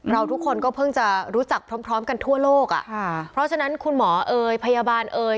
เราทุกคนก็เพิ่งจะรู้จักพร้อมพร้อมกันทั่วโลกอ่ะค่ะเพราะฉะนั้นคุณหมอเอ่ยพยาบาลเอ่ย